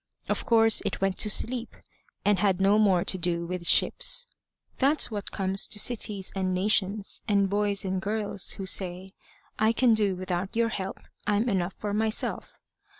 Of course it went to sleep, and had no more to do with ships. That's what comes to cities and nations, and boys and girls, who say, "I can do without your help. I'm enough for myself."